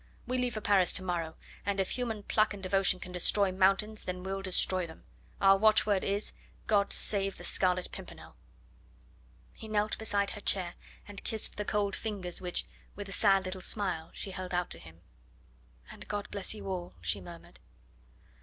We leave for Paris to morrow, and if human pluck and devotion can destroy mountains then we'll destroy them. Our watchword is: 'God save the Scarlet Pimpernel.'" He knelt beside her chair and kissed the cold fingers which, with a sad little smile, she held out to him. "And God bless you all!" she murmured.